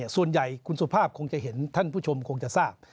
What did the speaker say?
ส่วนใหญ่คุณสุภาพคงจะเห็นท่านผู้ชมคงจะทราบ